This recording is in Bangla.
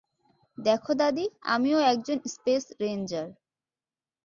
দেখো দাদী, আমিও একজন স্পেস রেঞ্জার।